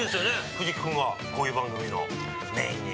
藤木君がこういう番組のメインに。